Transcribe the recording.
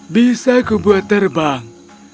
bisa kubuat terbang